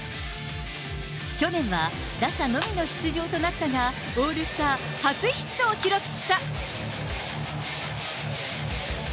去年は打者のみの出場となったが、オールスター初ヒットを記録した。